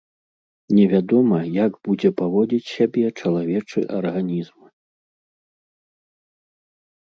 Невядома, як будзе паводзіць сябе чалавечы арганізм.